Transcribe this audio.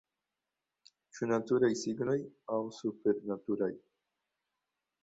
Ĉu naturaj signoj aŭ supernaturaj?